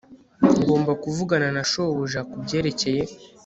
Ngomba kuvugana na shobuja kubyerekeye